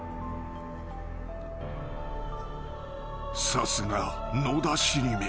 ［さすが野田尻目。